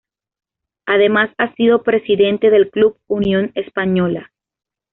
Además ha sido presidente del club Unión Española.